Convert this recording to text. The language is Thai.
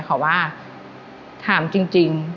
ขอว่าถามจริง